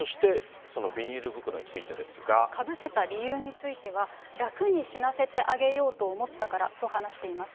そして、かぶせた理由については、楽に死なせてあげようと思ったからと話しています。